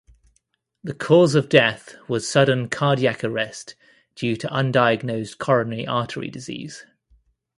The cause of death was sudden cardiac arrest due to undiagnosed coronary artery disease.